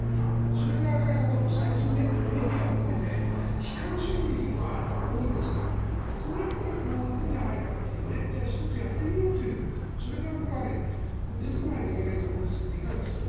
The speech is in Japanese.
それが加谷さんどうも最近、メディアを含めて悲観主義は多いんですがこうやったらこういくんじゃないかというじゃあ、１つやってみようというそれが僕は出てこないといけないと思うんですけどいかがですか？